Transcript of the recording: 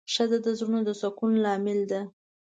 ښځه د زړونو د سکون لامل ده.